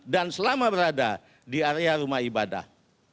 dan selama berada di area rumah ibadah